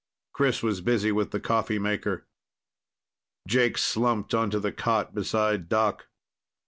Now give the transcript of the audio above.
Chris was busy with the coffee maker. Jake slumped onto the cot beside Doc.